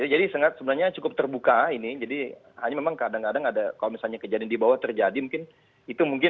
jadi sebenarnya cukup terbuka ini jadi hanya memang kadang kadang ada kalau misalnya kejadian di bawah terjadi mungkin itu mungkin